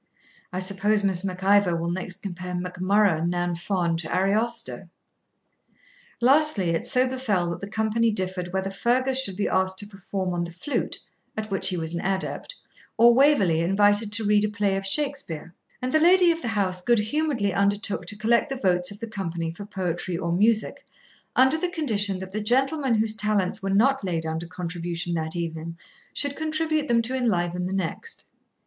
'I suppose Miss Mac Ivor will next compare Mac Murrough nan Fonn to Ariosto!' Lastly, it so befell that the company differed whether Fergus should be asked to perform on the flute, at which he was an adept, or Waverley invited to read a play of Shakspeare; and the lady of the house good humouredly undertook to collect the votes of the company for poetry or music, under the condition that the gentleman whose talents were not laid under contribution that evening should contribute them to enliven the next.